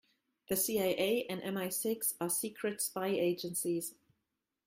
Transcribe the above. The CIA and MI-Six are secret spy agencies.